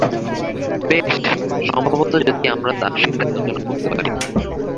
বেশ, সম্ভবত যদি আমরা তার সাথে আলোচনা করতে পারি।